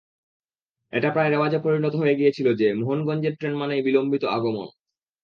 এটা প্রায় রেওয়াজে পরিণত হয়ে গিয়েছিল যে, মোহনগঞ্জের ট্রেন মানেই বিলম্বিত আগমন।